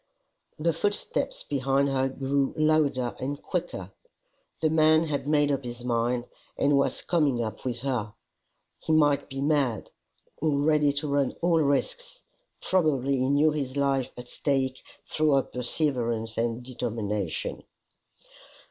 The footsteps behind her grew louder and quicker: the man had made up his mind and was coming up with her! He might be mad, or ready to run all risks! Probably he knew his life at stake through her perseverance and determination!